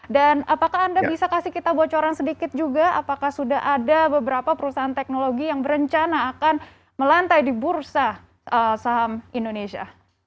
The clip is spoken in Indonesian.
dan apakah anda bisa kasih kita bocoran sedikit juga apakah sudah ada beberapa perusahaan teknologi yang berencana akan melantai di bursa saham indonesia